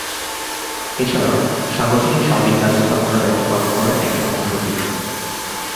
এছাড়া, সংগঠনটির সার্বিক ব্যবস্থাপনার দায়িত্ব পালন করেন একজন মহাসচিব।